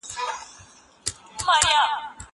زه پرون سفر کوم!.